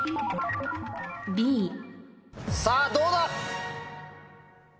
さぁどうだ？